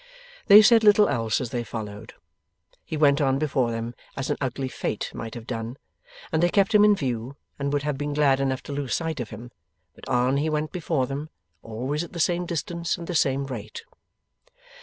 They said little else as they followed. He went on before them as an ugly Fate might have done, and they kept him in view, and would have been glad enough to lose sight of him. But on he went before them, always at the same distance, and the same rate.